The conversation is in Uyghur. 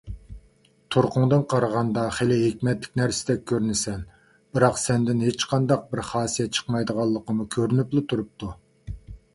تۇرقۇڭدىن قارىغاندا، خېلى ھېكمەتلىك نەرسىدەك كۆرۈنىسەن. بىراق، سەندىن ھېچقانداق بىر خاسىيەت چىقمايدىغانلىقىمۇ كۆرۈنۈپلا تۇرۇپتۇ.